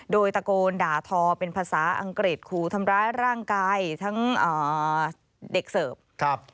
โดยตะโกนด่าทอเป็นภาษาอังกฤษขู่ทำร้ายร่างกายทั้งเด็กเสิร์ฟครับ